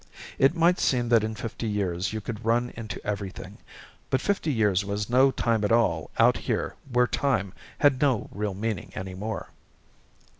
It might seem that in fifty years you could run into everything. But fifty years was no time at all out here where time had no real meaning any more.